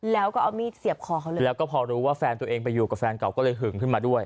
แล้วก็เอามีดเสียบคอเขาเลยแล้วก็พอรู้ว่าแฟนตัวเองไปอยู่กับแฟนเก่าก็เลยหึงขึ้นมาด้วย